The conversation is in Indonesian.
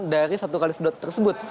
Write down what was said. dari satu kali sedot tersebut